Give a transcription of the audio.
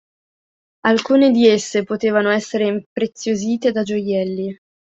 Alcune di esse potevano essere impreziosite da gioielli.